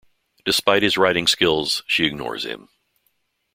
Despite his writing skills, she ignores him.